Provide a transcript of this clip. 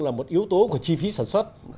là một yếu tố của chi phí sản xuất